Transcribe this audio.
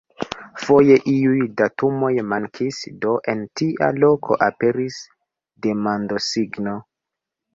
Foje iuj datumoj mankis, do en tia loko aperis demandosigno.